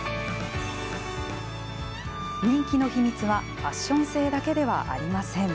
人気の秘密はファッション性だけではありません。